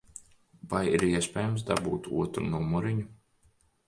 Vai ir iespējams dabūt otru numuriņu?